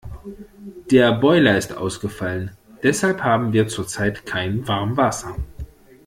Der Boiler ist ausgefallen, deshalb haben wir zurzeit kein Warmwasser.